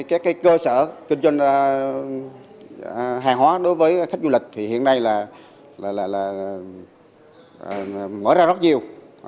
các cơ sở kinh doanh hàng hóa đối với khách du lịch hiện nay mở ra rất nhiều